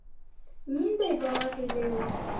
Ниндәй бала һөйләй ул?